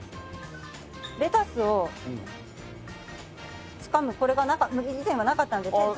レタスをつかむこれが以前はなかったんで手づかみだった。